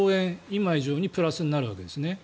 今以上にプラスになるわけですね。